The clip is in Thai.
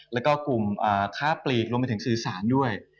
แล้วก็กลุ่มค้าปลีกรวมไปถึงสื่อสารด้วย